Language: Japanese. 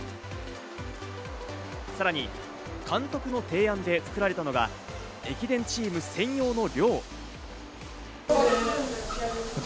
さらに監督の提案で作られたのが駅伝チーム専用の寮。